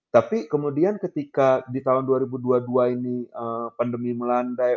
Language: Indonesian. tapi kemudian ketika di tahun dua ribu dua puluh dua ini pandemi melandai